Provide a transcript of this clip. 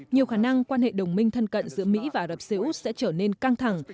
nhiều khả năng quan hệ đồng minh thân cận giữa mỹ và ả rập xê út sẽ trở nên căng thẳng